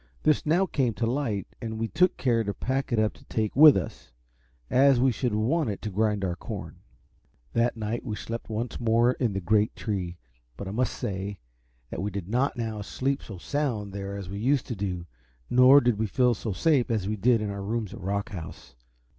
This now came to light, and we took care to pack it up to take with us, as we should want it to grind our corn. That night we slept once more in the great tree; but I must say that we did not now sleep so sound there as we used to do, nor did we feel so safe as we did in our rooms at Rock House.